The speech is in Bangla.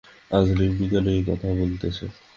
আধুনিক বিজ্ঞানও এই কথা বলিতেছে।